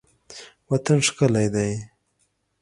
وطن ښکلی دی.